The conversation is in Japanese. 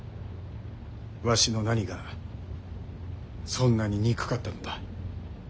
わしの何がそんなに憎かったのだ？